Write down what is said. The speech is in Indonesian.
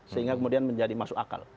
sehingga kemudian menjadi masuk akal